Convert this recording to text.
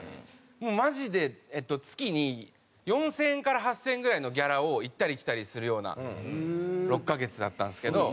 マジで月に４０００円から８０００円ぐらいのギャラを行ったり来たりするような６カ月だったんですけど。